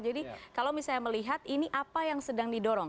jadi kalau misalnya melihat ini apa yang sedang didorong